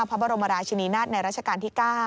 พระบรมราชนินัตในรัชกาลที่๙